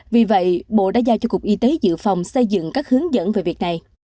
vì vậy bộ đã giao cho cục y tế dự phòng xây dựng các hướng dẫn về việc này